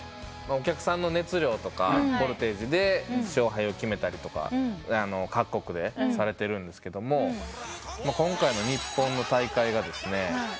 お客さんの熱量とかボルテージで勝敗を決めたりとか各国でされてるんですけども今回の日本の大会がですね